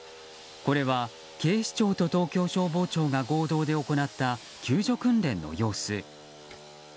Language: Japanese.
これは警視庁と東京消防庁が合同で行った救助訓練の様子。